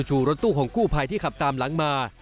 รถตู้ของกู้ภัยที่ขับตามหลังมา